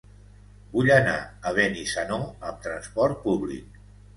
Vull anar a Benissanó amb transport públic.